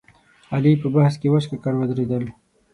علي په بحث کې وچ ککړ ودرېدل.